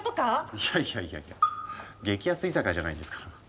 いやいやいやいや激安居酒屋じゃないんですから。